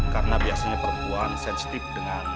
karena biasanya perempuan sensitif dengan buli